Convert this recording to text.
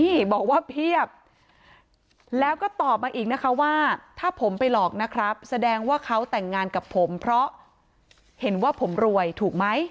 นี่บอกว่าเพียบแล้วก็ตอบมาอีกนะคะว่าถ้าผมไปหลอกนะครับแสดงว่าเขาแต่งงานกับผมเพราะเห็นว่าผมรวยถูกไหม